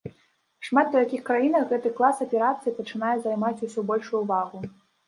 Шмат у якіх краінах гэты клас аперацый пачынае займаць усё большую вагу.